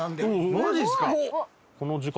マジっすか。